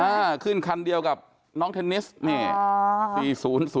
อ่าขึ้นคันเดียวกับน้องเทนนิสนี่